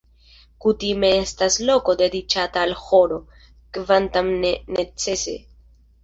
Kutime estas loko dediĉata al ĥoro, kvankam ne necese.